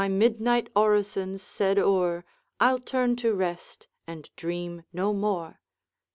My midnight orisons said o'er, I'll turn to rest, and dream no more.'